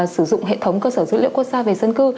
sử dụng hệ thống cơ sở dữ liệu quốc gia về dân cư